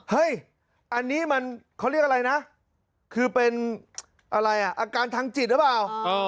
เฮ้ยอันนี้มันเขาเรียกอะไรนะคือเป็นอะไรอ่ะอาการทางจิตหรือเปล่า